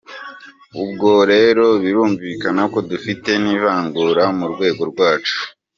Ubwo rero birumvikana ko dufite n'ivanguraruhu mu rwego rwacu.